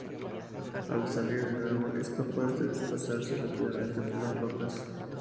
Al salir del agua, es capaz de desplazarse rápidamente por las rocas.